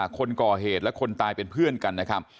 คนก่อเหตุและคนตายเป็นเพื่อนกันนะครับ